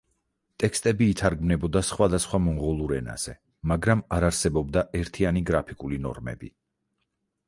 ტექსტები ითარგმნებოდა სხვადასხვა მონღოლურ ენაზე, მაგრამ არ არსებობდა ერთიანი გრაფიკული ნორმები.